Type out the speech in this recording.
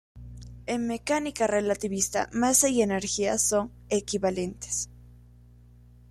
En mecánica relativista masa y energía son "equivalentes".